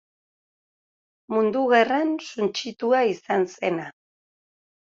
Mundu Gerran suntsitua izan zena.